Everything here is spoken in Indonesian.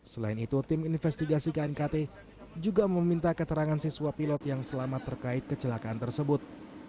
selain itu tim investigasi knkt juga meminta keterangan siswa pilot yang selamat terkait kecelakaan tersebut